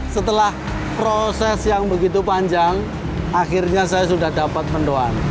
setelah proses yang begitu panjang akhirnya saya sudah dapat mendoan